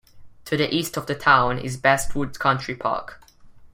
To the east of the town is Bestwood Country Park.